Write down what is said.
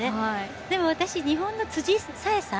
でも私、日本の辻沙絵さん